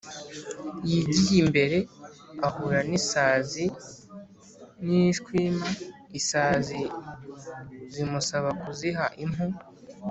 yigiye imbere ahura n’isazi n’ishwima. isazi zimusaba kuziha impu